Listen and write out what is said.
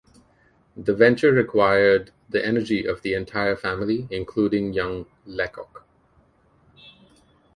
The venture required the energy of the entire family, including young Lecoq.